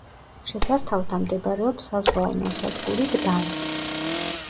შესართავთან მდებარეობს საზღვაო ნავსადგური გდანსკი.